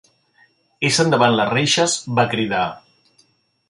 Essent davant les reixes, va cridar: